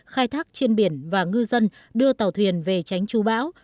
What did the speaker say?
khai thác trên biển và ngư dân đưa tàu thuyền về tránh chú bão